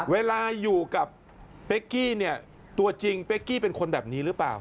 เวลาอยู่กับเป๊กกี้เนี่ยตัวจริงเป๊กกี้เป็นคนแบบนี้หรือเปล่า